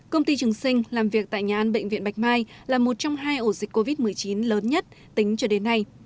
công ty trường sinh làm việc tại nhà ăn bệnh viện bạch mai là một trong hai ổ dịch covid một mươi chín lớn nhất tính cho đến nay